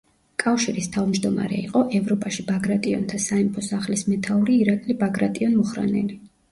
კავშირის თავმჯდომარე იყო ევროპაში ბაგრატიონთა სამეფო სახლის მეთაური ირაკლი ბაგრატიონ-მუხრანელი.